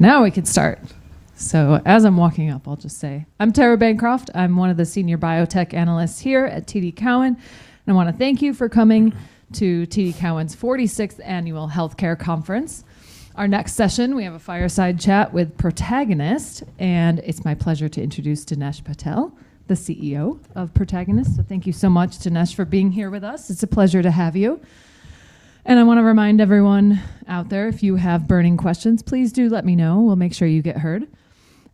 Now we can start. As I'm walking up, I'll just say I'm Tara Bancroft. I'm one of the senior biotech analysts here at TD Cowen, and I wanna thank you for coming to TD Cowen's 46th Annual Healthcare Conference. Our next session, we have a fireside chat with Protagonist, and it's my pleasure to introduce Dinesh Patel, the CEO of Protagonist. Thank you so much, Dinesh, for being here with us. It's a pleasure to have you. I wanna remind everyone out there, if you have burning questions, please do let me know. We'll make sure you get heard.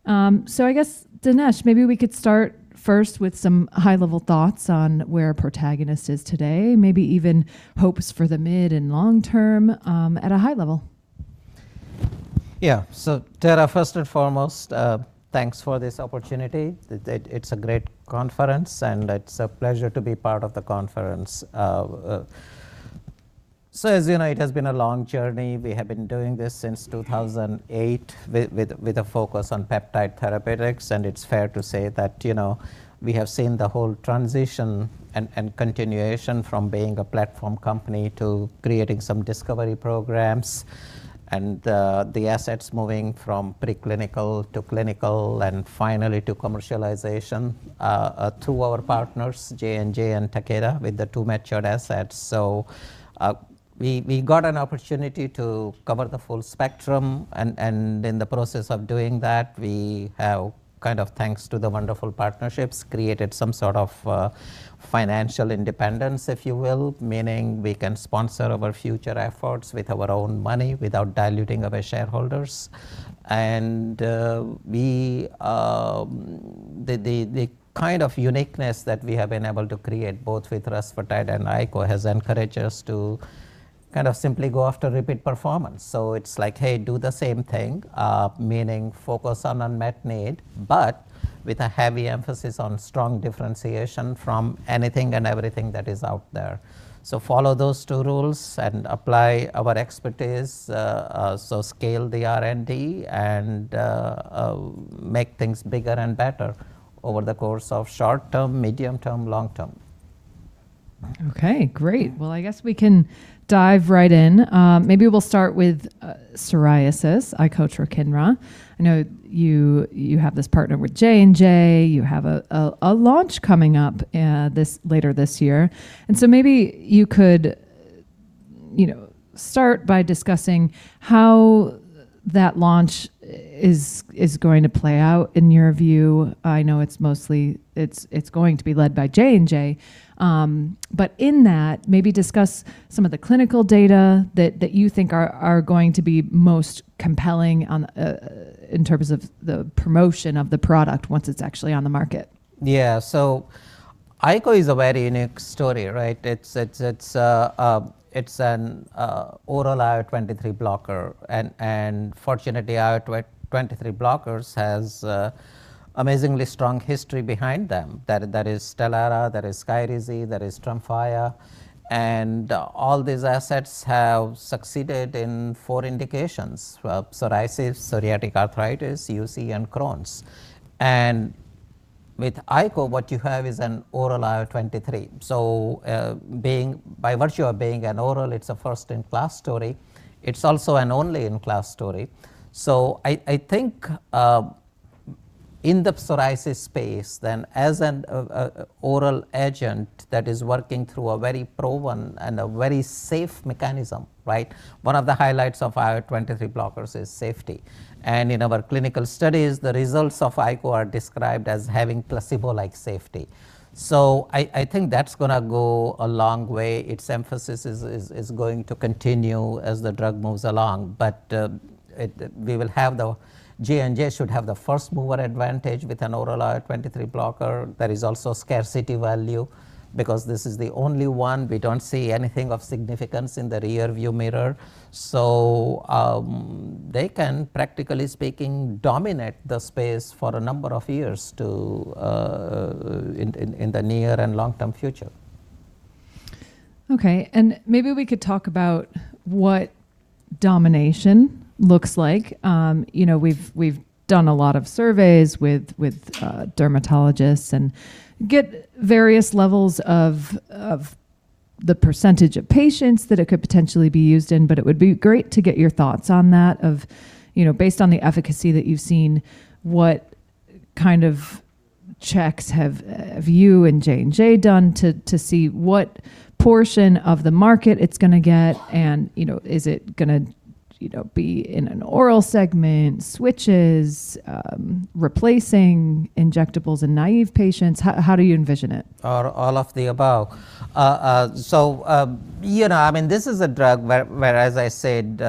I guess, Dinesh, maybe we could start first with some high-level thoughts on where Protagonist is today, maybe even hopes for the mid and long term, at a high level. Tara, first and foremost, thanks for this opportunity. It's a great conference, and it's a pleasure to be part of the conference. As you know, it has been a long journey. We have been doing this since 2008 with a focus on peptide therapeutics, and it's fair to say that, you know, we have seen the whole transition and continuation from being a platform company to creating some discovery programs and the assets moving from preclinical to clinical and finally to commercialization through our partners, J&J and Takeda, with the two mature assets. We got an opportunity to cover the full spectrum and in the process of doing that, we have, kind of thanks to the wonderful partnerships, created some sort of financial independence, if you will, meaning we can sponsor our future efforts with our own money without diluting our shareholders. We the kind of uniqueness that we have been able to create both with rusfertide and icotrokinra has encouraged us to kind of simply go after repeat performance. It's like, hey, do the same thing, meaning focus on unmet need, but with a heavy emphasis on strong differentiation from anything and everything that is out there. Follow those two rules and apply our expertise, so scale the R&D and make things bigger and better over the course of short term, medium term, long term. Okay, great. Well, I guess we can dive right in. Maybe we'll start with psoriasis, icotrokinra. I know you have this partner with J&J. You have a launch coming up later this year. Maybe you could, you know, start by discussing how that launch is going to play out in your view. I know it's going to be led by J&J. In that, maybe discuss some of the clinical data that you think are going to be most compelling on in terms of the promotion of the product once it's actually on the market. Iko is a very unique story, right? It's an oral IL-23 blocker and fortunately, IL-23 blockers has an amazingly strong history behind them. That is Stelara, that is Skyrizi, that is Tremfya, and all these assets have succeeded in four indications, psoriasis, psoriatic arthritis, UC, and Crohn's. With Iko, what you have is an oral IL-23. Being, by virtue of being an oral, it's a first-in-class story. It's also an only-in-class story. I think, in the psoriasis space then, as an oral agent that is working through a very proven and a very safe mechanism, right? One of the highlights of IL-23 blockers is safety. In our clinical studies, the results of Iko are described as having placebo-like safety. I think that's gonna go a long way. Its emphasis is going to continue as the drug moves along. J&J should have the first-mover advantage with an oral IL-23 blocker. There is also scarcity value because this is the only one. We don't see anything of significance in the rear view mirror. They can, practically speaking, dominate the space for a number of years to, in the near and long-term future. Okay. Maybe we could talk about what domination looks like. you know, we've done a lot of surveys with dermatologists and get various levels of the percentage of patients that it could potentially be used in, but it would be great to get your thoughts on that of, you know, based on the efficacy that you've seen, what kind of checks have you and J&J done to see what portion of the market it's gonna get and, you know, is it gonna, you know, be in an oral segment, switches, replacing injectables in naive patients? How do you envision it? Or all of the above. You know, I mean, this is a drug where as I said,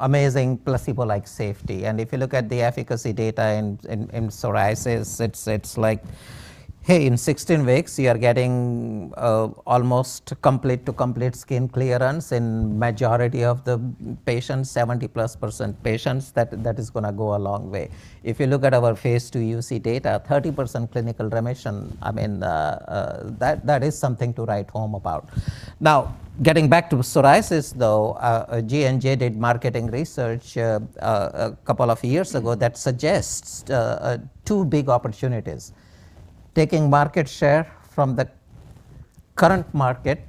amazing placebo-like safety. If you look at the efficacy data in psoriasis, it's like, hey, in 16 weeks you are getting almost complete to complete skin clearance in majority of the patients, 70%+ patients, that is gonna go a long way. If you look at our Phase II UC data, 30% clinical remission, I mean, that is something to write home about. Now, getting back to psoriasis, though, J&J did marketing research a couple of years ago that suggests two big opportunities. Taking market share from the current market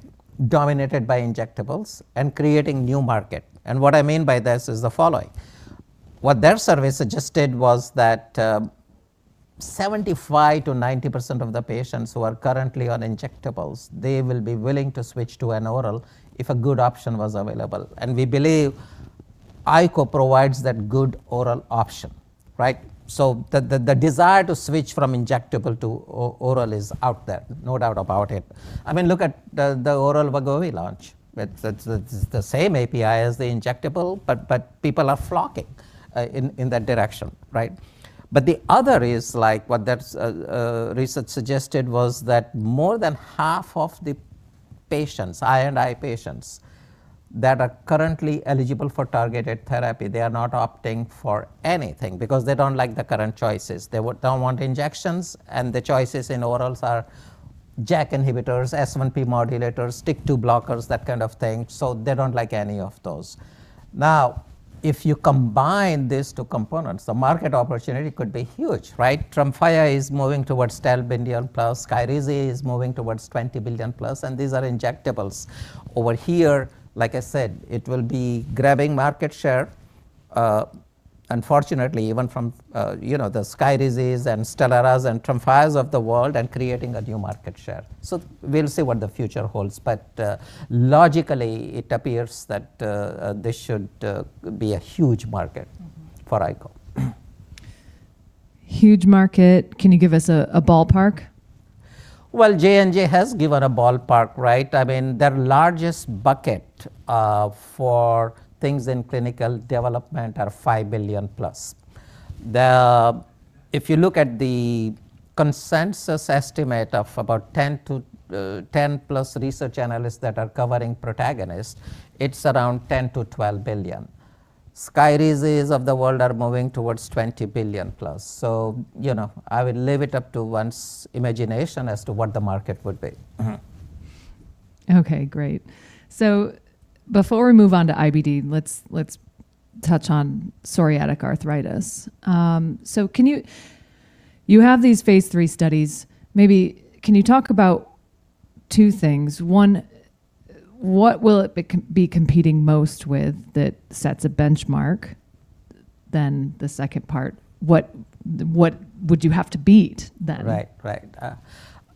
dominated by injectables and creating new market. What I mean by this is the following. What their survey suggested was that 75%-90% of the patients who are currently on injectables, they will be willing to switch to an oral if a good option was available. We believe Iko provides that good oral option, right? The desire to switch from injectable to oral is out there, no doubt about it. I mean, look at the oral Wegovy launch. It's the same API as the injectable, but people are flocking in that direction, right? The other is like, what that research suggested was that more than half of the patients, I and I patients that are currently eligible for targeted therapy, they are not opting for anything because they don't like the current choices. They don't want injections. The choices in orals are JAK inhibitors, S1P modulators, TYK2 inhibitors, that kind of thing. They don't like any of those. If you combine these two components, the market opportunity could be huge, right? Tremfya is moving towards stalbendial plus, Skyrizi is moving towards $20 billion plus. These are injectables. Over here, like I said, it will be grabbing market share, unfortunately, even from, you know, the Skyrizis and Stelarans and Tremfyas of the world and creating a new market share. We'll see what the future holds. Logically, it appears that this should be a huge market for Iko. Huge market. Can you give us a ballpark? J&J has given a ballpark, right? I mean, their largest bucket for things in clinical development are $5 billion+. If you look at the consensus estimate of about 10 to 10+ research analysts that are covering Protagonist, it's around $10 billion-$12 billion. Skyrizis of the world are moving towards $20 billion+. You know, I would leave it up to one's imagination as to what the market would be. Okay, great. Before we move on to IBD, let's touch on psoriatic arthritis. Can you. You have these Phase III studies. Maybe can you talk about two things? One, what will it be competing most with that sets a benchmark? The second part, what would you have to beat then? Right. Right.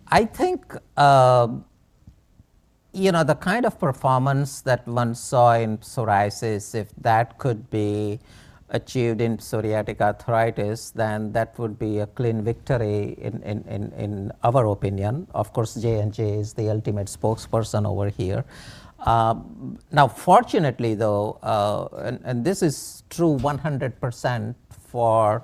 I think, you know, the kind of performance that one saw in psoriasis, if that could be achieved in psoriatic arthritis, then that would be a clean victory in our opinion. Of course, J&J is the ultimate spokesperson over here. Now fortunately, though, this is true 100% for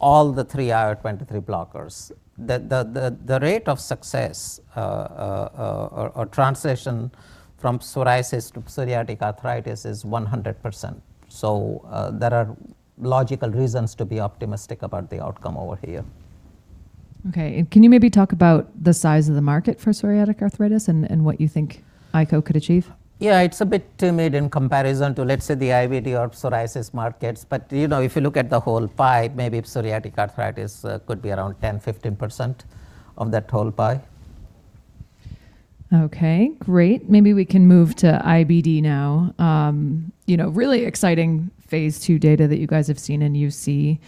all the three IL-23 blockers, the rate of success or translation from psoriasis to psoriatic arthritis is 100%. There are logical reasons to be optimistic about the outcome over here. Okay. Can you maybe talk about the size of the market for psoriatic arthritis and what you think Iko could achieve? It's a bit timid in comparison to, let's say, the IBD or psoriasis markets. You know, if you look at the whole pie, maybe psoriatic arthritis could be around 10%-15% of that whole pie. Okay, great. Maybe we can move to IBD now. You know, really exciting Phase II data that you guys have seen in UC.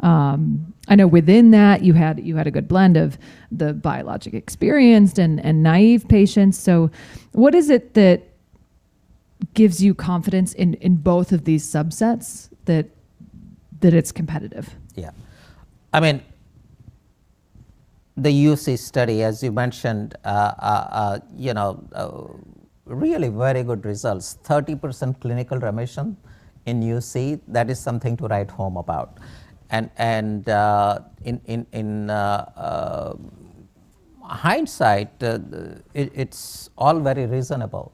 I know within that you had a good blend of the biologic experienced and naive patients. What is it that gives you confidence in both of these subsets that it's competitive? Yeah. I mean, the UC study, as you mentioned, you know, really very good results. 30% clinical remission in UC, that is something to write home about. In hindsight, it's all very reasonable.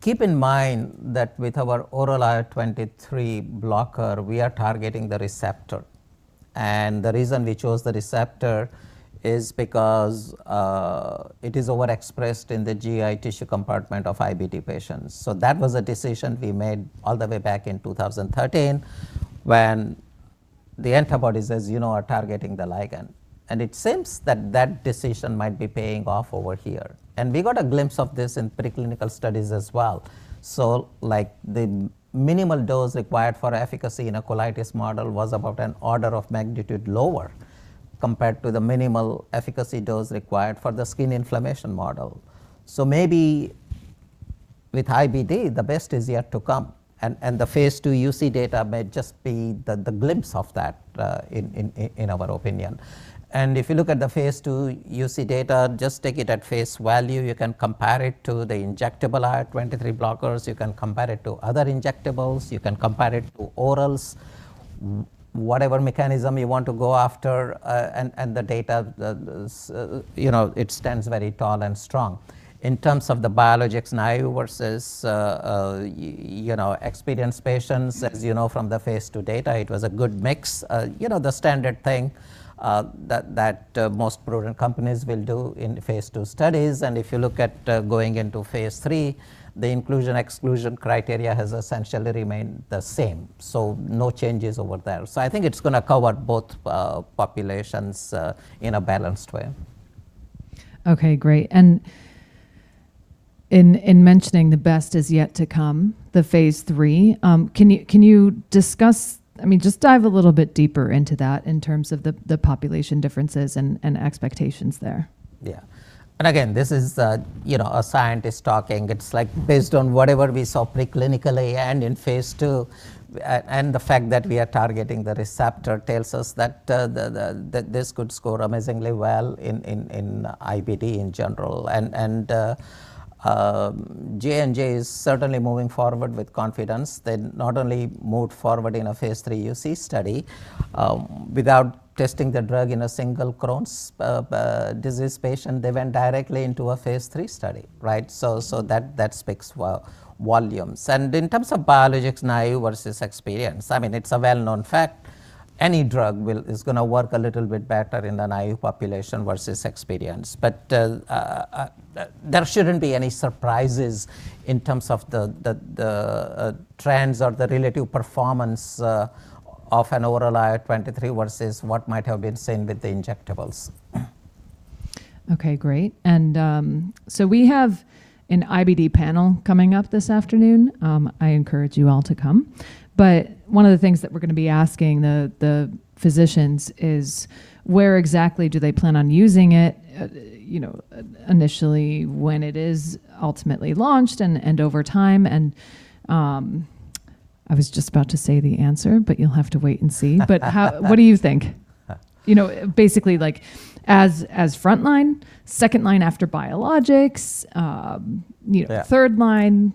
Keep in mind that with our oral IL-23 blocker, we are targeting the receptor. The reason we chose the receptor is because it is overexpressed in the GI tissue compartment of IBD patients. That was a decision we made all the way back in 2013 when the antibodies, as you know, are targeting the ligand. It seems that that decision might be paying off over here. We got a glimpse of this in preclinical studies as well. Like the minimal dose required for efficacy in a colitis model was about an order of magnitude lower compared to the minimal efficacy dose required for the skin inflammation model. Maybe with IBD, the best is yet to come. The phase II UC data may just be the glimpse of that in our opinion. If you look at the phase II UC data, just take it at face value. You can compare it to the injectable IL-23 blockers. You can compare it to other injectables. You can compare it to orals. Whatever mechanism you want to go after, the data, you know, it stands very tall and strong. In terms of the biologics, naive versus, you know, experienced patients, as you know, from the phase II data, it was a good mix. You know, the standard thing, that most prudent companies will do in phase II studies. If you look at, going into phase III, the inclusion, exclusion criteria has essentially remained the same. No changes over there. I think it's gonna cover both, populations, in a balanced way. Okay, great. In mentioning the best is yet to come, the Phase III, can you discuss, I mean, just dive a little bit deeper into that in terms of the population differences and expectations there. Yeah. Again, this is a, you know, a scientist talking. It's, like, based on whatever we saw pre-clinically and in Phase II, and the fact that we are targeting the receptor tells us that this could score amazingly well in IBD in general. J&J is certainly moving forward with confidence. They not only moved forward in a Phase III UC study, without testing the drug in a single Crohn's disease patient. They went directly into a Phase III study, right? That speaks volumes. In terms of biologics in IU versus experienced, I mean, it's a well-known fact any drug is gonna work a little bit better in an IU population versus experienced. There shouldn't be any surprises in terms of the trends or the relative performance of an oral IL-23 versus what might have been seen with the injectables. Okay, great. We have an IBD panel coming up this afternoon. I encourage you all to come. One of the things that we're gonna be asking the physicians is where exactly do they plan on using it, you know, initially when it is ultimately launched and over time. I was just about to say the answer. You'll have to wait and see. What do you think? You know, basically, like, as front line, second line after biologics, you know. Yeah. Third line.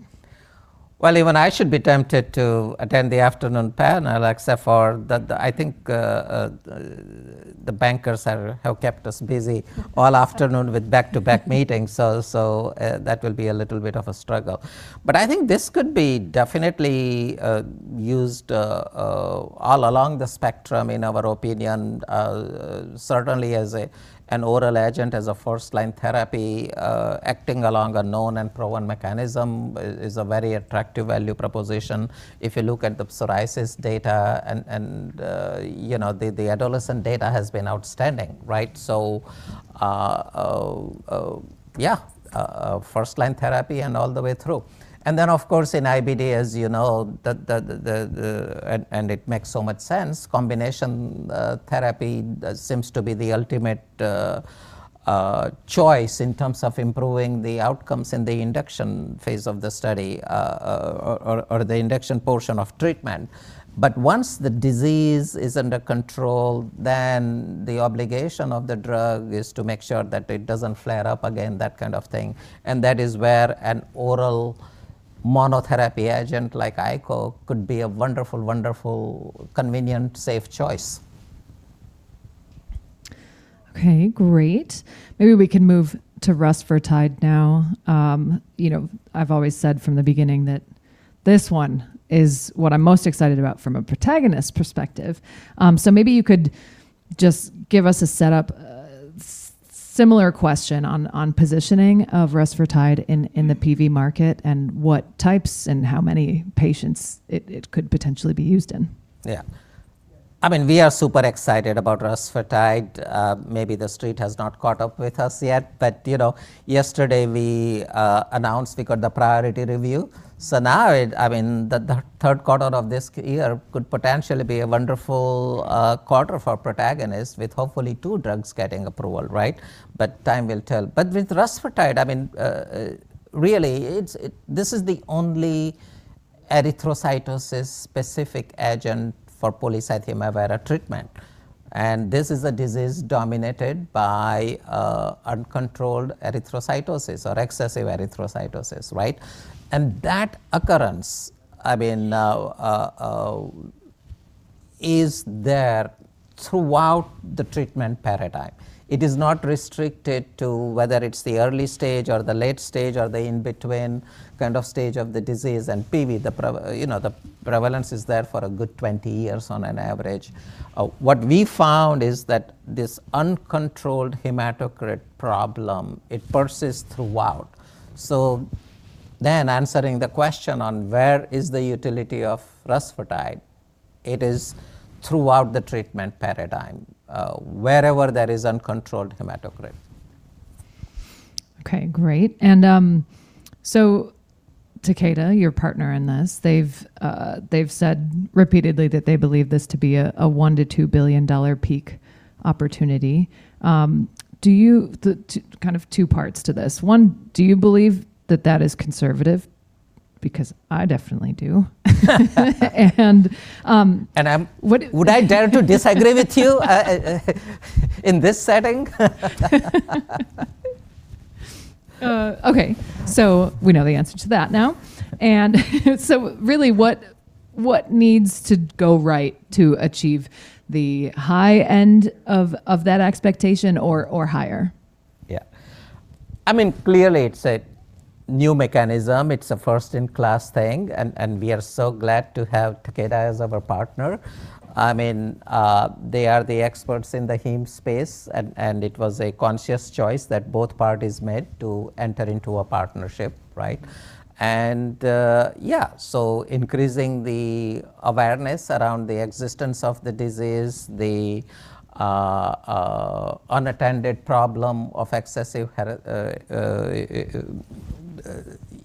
Well, even I should be tempted to attend the afternoon panel, except for that I think the bankers have kept us busy all afternoon with back-to-back meetings, so that will be a little bit of a struggle. I think this could be definitely used all along the spectrum, in our opinion, certainly as an oral agent, as a first-line therapy, acting along a known and proven mechanism is a very attractive value proposition. If you look at the psoriasis data and, you know, the adolescent data has been outstanding, right? Yeah, a first-line therapy and all the way through. Of course, in IBD, as you know, the. It makes so much sense, combination therapy seems to be the ultimate choice in terms of improving the outcomes in the induction phase of the study, or the induction portion of treatment. Once the disease is under control, then the obligation of the drug is to make sure that it doesn't flare up again, that kind of thing. That is where an oral monotherapy agent like icotrokinra could be a wonderful, convenient, safe choice. Okay, great. Maybe we can move to rusfertide now. You know, I've always said from the beginning that this one is what I'm most excited about from a Protagonist perspective. Maybe you could just give us a setup, similar question on positioning of rusfertide in the PV market and what types and how many patients it could potentially be used in. Yeah. I mean, we are super excited about rusfertide. Maybe the street has not caught up with us yet. You know, yesterday we announced we got the priority review. Now it I mean, the third quarter of this year could potentially be a wonderful quarter for Protagonist with hopefully two drugs getting approval, right? Time will tell. With rusfertide, I mean, really, this is the only erythrocytosis-specific agent for polycythemia vera treatment. This is a disease dominated by uncontrolled erythrocytosis or excessive erythrocytosis, right? That occurrence, I mean, is there throughout the treatment paradigm. It is not restricted to whether it's the early stage or the late stage or the in-between kind of stage of the disease. PV, you know, the prevalence is there for a good 20 years on an average. What we found is that this uncontrolled hematocrit problem, it persists throughout. Answering the question on where is the utility of rusfertide, it is throughout the treatment paradigm, wherever there is uncontrolled hematocrit. Okay, great. Takeda, your partner in this, they've said repeatedly that they believe this to be a $1 billion-$2 billion peak opportunity. kind of two parts to this. One, do you believe that that is conservative? Because I definitely do. And I'm. Would. Would I dare to disagree with you in this setting? Okay, we know the answer to that now. Really, what needs to go right to achieve the high end of that expectation or higher? Yeah. I mean, clearly it's a new mechanism. It's a first-in-class thing. We are so glad to have Takeda as our partner. I mean, they are the experts in the heme space, and it was a conscious choice that both parties made to enter into a partnership, right? Yeah, increasing the awareness around the existence of the disease, the unattended problem of excessive,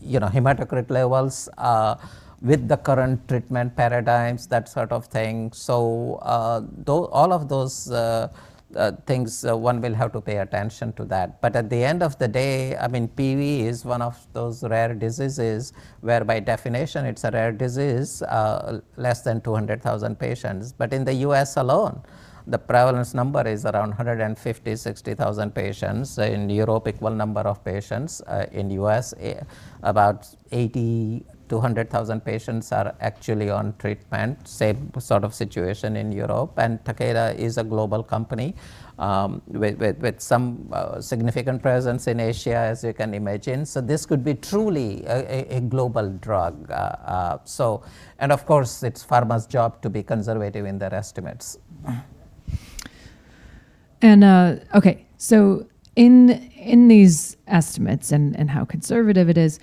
you know, hematocrit levels with the current treatment paradigms, that sort of thing. All of those things, one will have to pay attention to that. At the end of the day, I mean, PV is one of those rare diseases where by definition it's a rare disease, less than 200,000 patients. In the U.S. alone, the prevalence number is around 150,000-160,000 patients. In Europe, equal number of patients. In the U.S., about 80,000-100,000 patients are actually on treatment. Same sort of situation in Europe. Takeda is a global company, with some significant presence in Asia, as you can imagine. This could be truly a global drug. Of course, it's pharma's job to be conservative in their estimates. Okay. In, in these estimates and how conservative it is,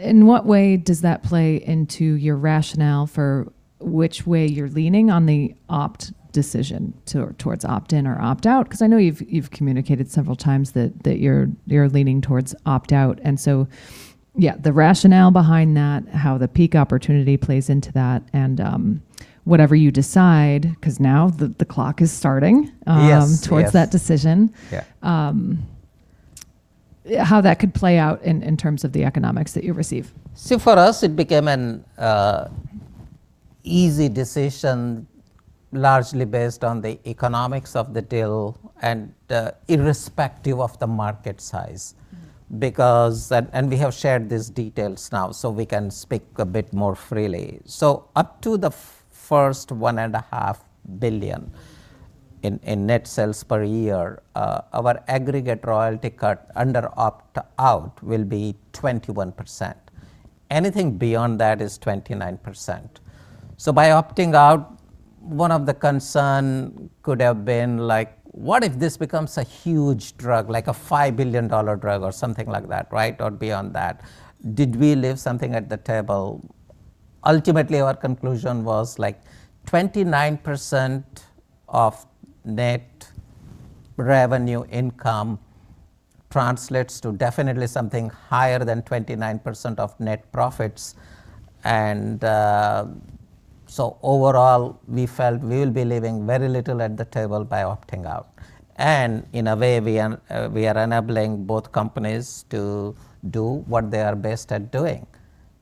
in what way does that play into your rationale for which way you're leaning on the opt decision towards opt-in or opt-out? 'Cause I know you've communicated several times that you're leaning towards opt-out. Yeah, the rationale behind that, how the peak opportunity plays into that, and whatever you decide, 'cause now the clock is starting. Yes. Yes. Towards that decision. Yeah. How that could play out in terms of the economics that you receive. For us, it became an easy decision largely based on the economics of the deal and irrespective of the market size. We have shared these details now, we can speak a bit more freely. Up to the first one and a half billion in net sales per year, our aggregate royalty cut under opt-out will be 21%. Anything beyond that is 29%. By opting out, one of the concerns could have been like, what if this becomes a huge drug, like a $5 billion drug or something like that, right? Beyond that. Did we leave something at the table? Ultimately, our conclusion was like 29% of net revenue income translates to definitely something higher than 29% of net profits. Overall, we felt we'll be leaving very little at the table by opting out. In a way, we are enabling both companies to do what they are best at doing.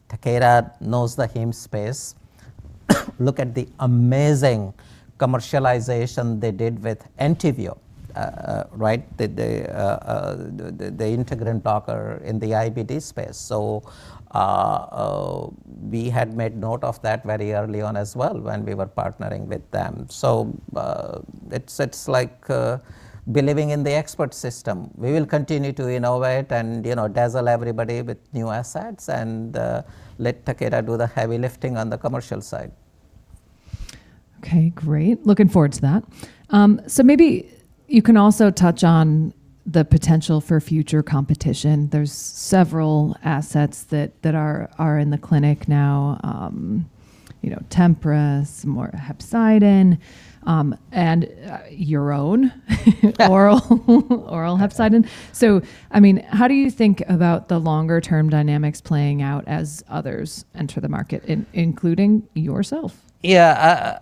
Takeda knows the heme space. Look at the amazing commercialization they did with Entyvio. right? The integrin blocker in the IBD space. We had made note of that very early on as well when we were partnering with them. It's like believing in the expert system. We will continue to innovate and, you know, dazzle everybody with new assets and let Takeda do the heavy lifting on the commercial side. Okay, great. Looking forward to that. Maybe you can also touch on the potential for future competition. There's several assets that are in the clinic now, you know, Tempress, more hepcidin, and your own oral hepcidin. I mean, how do you think about the longer term dynamics playing out as others enter the market including yourself? Yeah.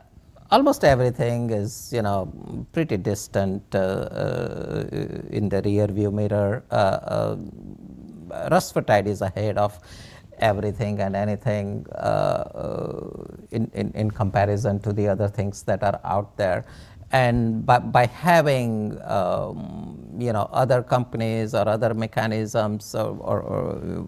Almost everything is, you know, pretty distant in the rear view mirror. Rusfertide is ahead of everything and anything in comparison to the other things that are out there. By having, you know, other companies or other mechanisms or,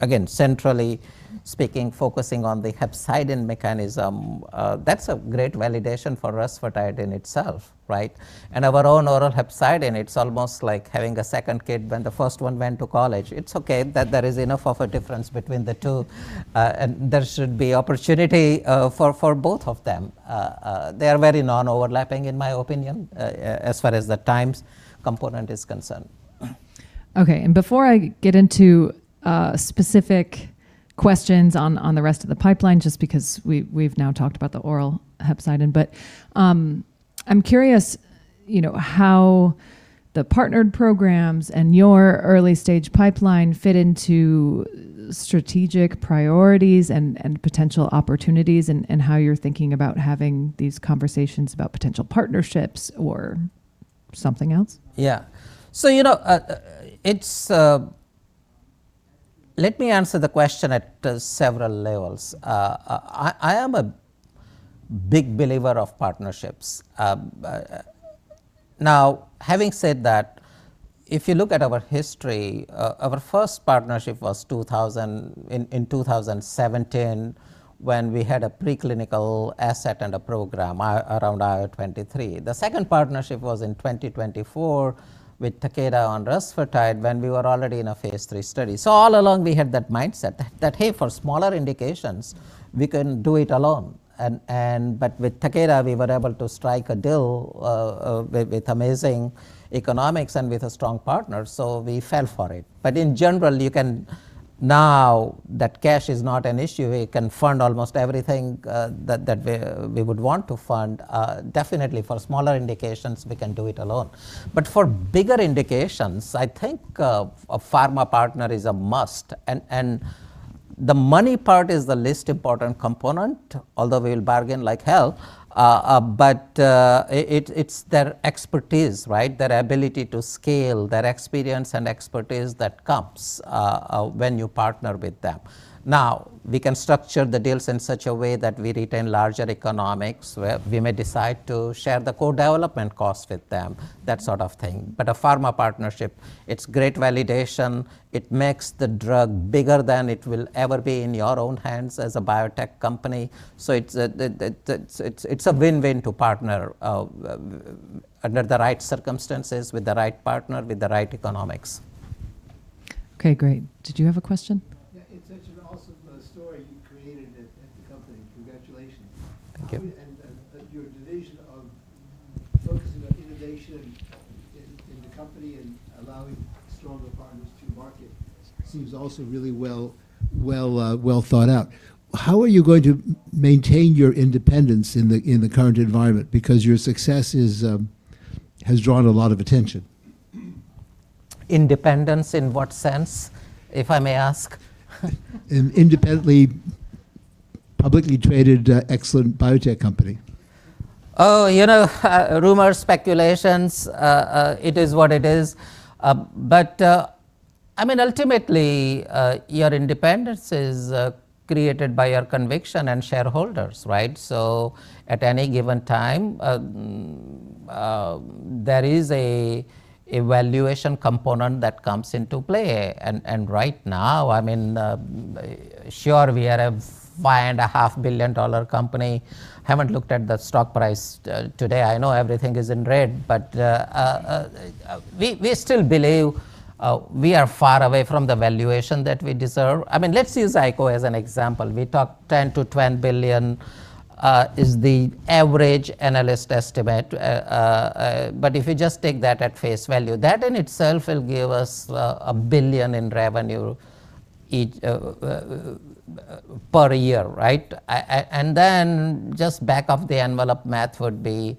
again, centrally speaking, focusing on the hepcidin mechanism, that's a great validation for rusfertide in itself, right? Our own oral hepcidin, it's almost like having a second kid when the first one went to college. It's okay that there is enough of a difference between the two, and there should be opportunity for both of them. They are very non-overlapping in my opinion, as far as the times component is concerned. Okay. Before I get into specific questions on the rest of the pipeline, just because we've now talked about the oral hepcidin. I'm curious, you know, how the partnered programs and your early stage pipeline fit into strategic priorities and potential opportunities, and how you're thinking about having these conversations about potential partnerships or something else. Yeah. You know, it's. Let me answer the question at several levels. I am a big believer of partnerships. Now, having said that, if you look at our history, our first partnership was in 2017, when we had a preclinical asset and a program around IL-23. The second partnership was in 2024 with Takeda on rusfertide when we were already in a phase III study. All along, we had that mindset that, hey, for smaller indications, we can do it alone. With Takeda, we were able to strike a deal with amazing economics and with a strong partner, we fell for it. In general, now that cash is not an issue, we can fund almost everything that we would want to fund. Definitely for smaller indications, we can do it alone. For bigger indications, I think a pharma partner is a must. The money part is the least important component, although we'll bargain like hell, it's their expertise, right? Their ability to scale, their experience and expertise that comes when you partner with them. Now, we can structure the deals in such a way that we retain larger economics, where we may decide to share the co-development cost with them, that sort of thing. A pharma partnership, it's great validation. It makes the drug bigger than it will ever be in your own hands as a biotech company. It's the. It's a win-win to partner, under the right circumstances, with the right partner, with the right economics. Okay, great. Did you have a question? Yeah. It's such an awesome story you created at the company. Congratulations. Thank you. Your division of focusing on innovation in the company and allowing stronger partners to market seems also really well thought out. How are you going to maintain your independence in the current environment? Because your success is has drawn a lot of attention. Independence in what sense, if I may ask? An independently, publicly traded, excellent biotech company. Oh, you know, rumors, speculations, it is what it is. I mean, ultimately, your independence is created by your conviction and shareholders, right? At any given time, there is a evaluation component that comes into play. Right now, I mean, sure, we are a $5.5 billion company. Haven't looked at the stock price today. I know everything is in red. We still believe we are far away from the valuation that we deserve. I mean, let's use Iko as an example. We talked $10 billion-$20 billion is the average analyst estimate. If you just take that at face value, that in itself will give us $1 billion in revenue each per year, right? Then just back of the envelope math would be,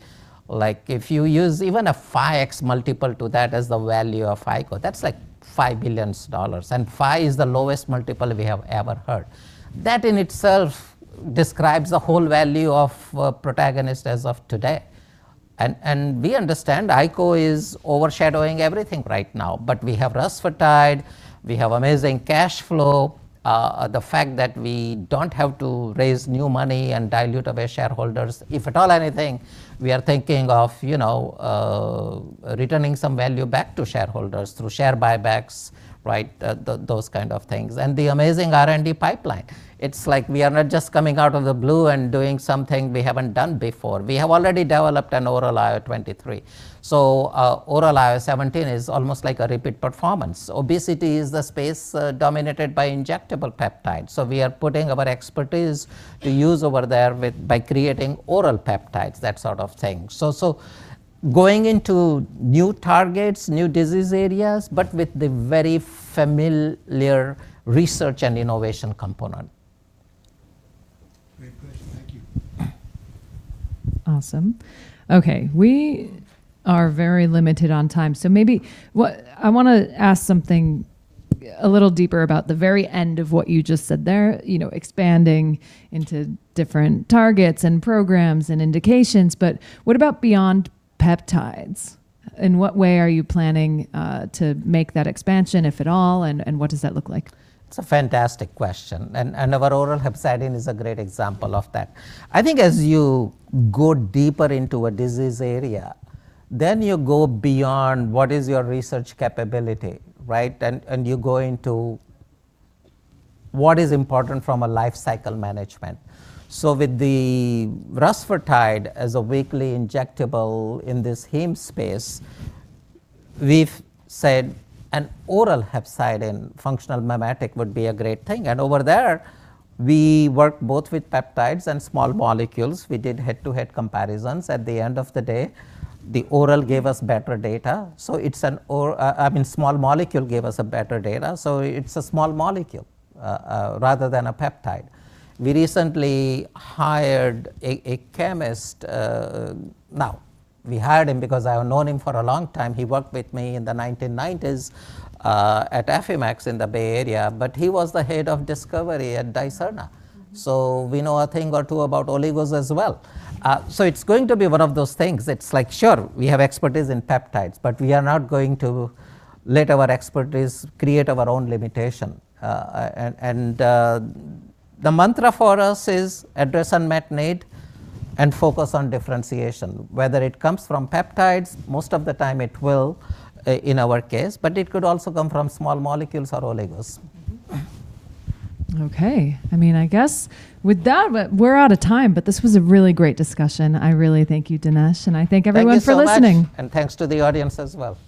like, if you use even a 5x multiple to that as the value of Iko, that's like $5 billion, and is the lowest multiple we have ever heard. That in itself describes the whole value of Protagonist as of today. We understand Iko is overshadowing everything right now, but we have rusfertide, we have amazing cash flow. The fact that we don't have to raise new money and dilute our shareholders. If at all anything, we are thinking of, you know, returning some value back to shareholders through share buybacks, right? Those kind of things. The amazing R&D pipeline. It's like we are not just coming out of the blue and doing something we haven't done before. We have already developed an oral IL-23. Oral IL-17 is almost like a repeat performance. Obesity is the space dominated by injectable peptides, we are putting our expertise to use over there by creating oral peptides, that sort of thing. Going into new targets, new disease areas, but with the very familiar research and innovation component. Great question. Thank you. Awesome. Okay. We are very limited on time. I wanna ask something a little deeper about the very end of what you just said there, you know, expanding into different targets and programs and indications. What about beyond peptides? In what way are you planning to make that expansion, if at all, and what does that look like? It's a fantastic question. And our oral hepcidin is a great example of that. I think as you go deeper into a disease area, you go beyond what is your research capability, right? You go into what is important from a life cycle management. With the rusfertide as a weekly injectable in this heme space, we've said an oral hepcidin functional mimetic would be a great thing. Over there, we work both with peptides and small molecules. We did head-to-head comparisons. At the end of the day, the oral gave us better data, so I mean, small molecule gave us a better data, so it's a small molecule rather than a peptide. We recently hired a chemist. Now, we hired him because I have known him for a long time. He worked with me in the 1990s at Affymax in the Bay Area, but he was the head of discovery at Dicerna. We know a thing or two about oligos as well. It's going to be one of those things. It's like, sure, we have expertise in peptides, but we are not going to let our expertise create our own limitation. And the mantra for us is address unmet need and focus on differentiation, whether it comes from peptides, most of the time it will, in our case, but it could also come from small molecules or oligos. Okay. I mean, I guess with that, we're out of time, but this was a really great discussion. I really thank you, Dinesh, and I thank everyone for listening. Thank you so much. Thanks to the audience as well.